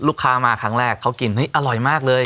ลูกค้ามาครั้งแรกเขากินเฮ้ยอร่อยมากเลย